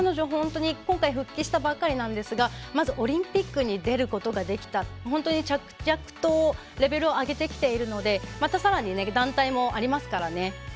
本当に彼女復帰したばかりなんですがまずオリンピックに出ることができた本当に着々とレベルを上げてきているのでまたさらに団体もありますからね。